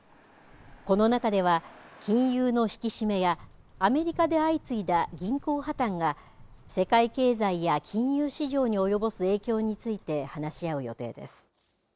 この中では金融の引き締めやアメリカで相次いだ銀行破綻が世界経済や金融市場に及ぼす影響について話し合う予定です。